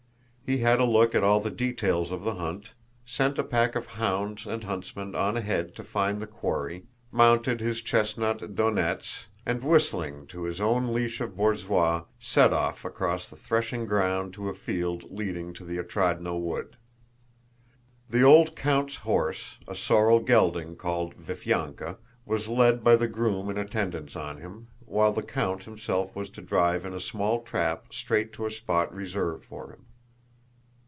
He had a look at all the details of the hunt, sent a pack of hounds and huntsmen on ahead to find the quarry, mounted his chestnut Donéts, and whistling to his own leash of borzois, set off across the threshing ground to a field leading to the Otrádnoe wood. The old count's horse, a sorrel gelding called Viflyánka, was led by the groom in attendance on him, while the count himself was to drive in a small trap straight to a spot reserved for him.